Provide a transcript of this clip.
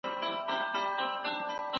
موږ د سولې لپاره قرباني ورکړي ده.